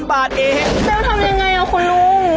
แกว่าทำยังไงอ่ะคุณลุง